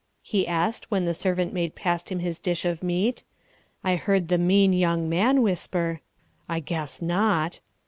he asked when the servant maid passed him his dish of meat. I heard the mean young man whisper, "I guess not."